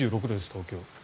東京。